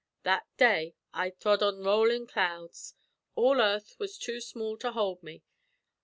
That day I throd on rollin' clouds. All earth was too small to hould me.